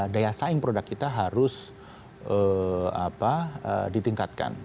daya saing produk kita harus ditingkatkan